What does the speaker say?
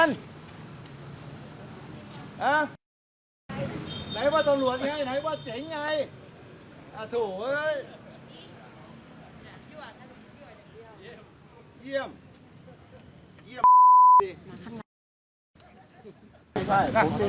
ไหนว่าตลอดไงไหนว่าเจ๋งไงไหนว่าเจ๋งไงไหนว่าเจ๋งไง